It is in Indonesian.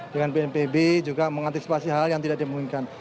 dengan bnpb juga mengantisipasi hal yang tidak dimungkinkan